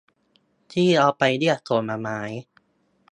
ที่เอาไปเรียกผลไม้